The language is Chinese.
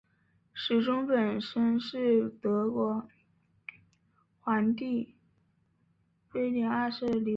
时钟本身是是德国皇帝威廉二世的礼物。